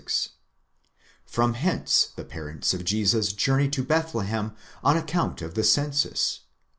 56); from hence the parents of Jesus journey to Bethlehem on account of the census (ii.